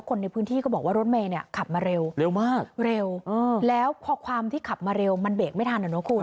คนในพื้นที่ก็บอกว่ารถเมย์เนี่ยขับมาเร็วเร็วมากเร็วแล้วพอความที่ขับมาเร็วมันเบรกไม่ทันอ่ะเนอะคุณ